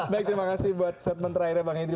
baik terima kasih buat setmen terakhirnya bang hidri